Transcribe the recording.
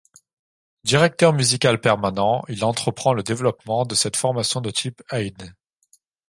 Directeur musical permanent, il entreprend le développement de cette formation de type Haydn.